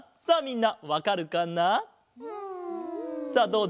さあみんなわかるかな？